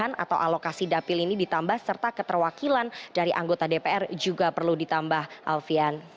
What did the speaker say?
jadi kalau alokasi dapil ini ditambah serta keterwakilan dari anggota dpr juga perlu ditambah alfian